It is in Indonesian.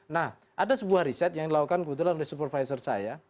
nah ada sebuah riset yang dilakukan kebetulan oleh supervisor saya